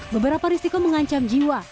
beberapa risiko mengancam jiwa